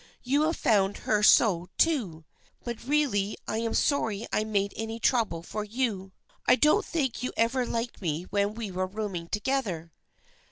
You have found her so, too. But really, I am sorry I made any trouble for you. I don't think you ever liked me when we were rooming together."